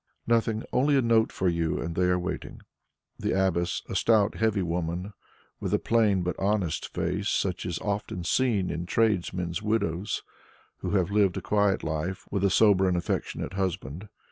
"Nothing; only a note for you, and they are waiting." The abbess was a stout, heavy woman, with a plain but honest face such as is often seen in tradesmen's widows who have lived a quiet life with a sober and affectionate husband.